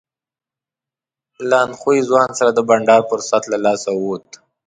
له اندخویي ځوان سره د بنډار فرصت له لاسه ووت.